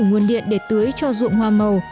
nguồn điện để tưới cho ruộng hoa màu